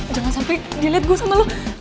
jangan sampai dilihat gua sama lu